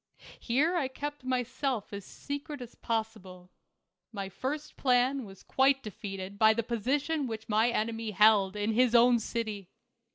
Here I kept myself as secret as possible. My first plan was quite defeated by the position which my enemy held in his own city.